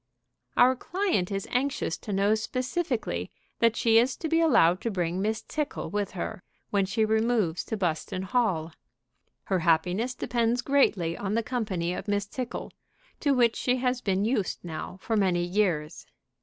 "Our client is anxious to know specifically that she is to be allowed to bring Miss Tickle with her, when she removes to Buston Hall. Her happiness depends greatly on the company of Miss Tickle, to which she had been used now for many years.